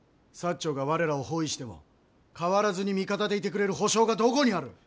長が我らを包囲しても変わらずに味方でいてくれる保証がどこにある！？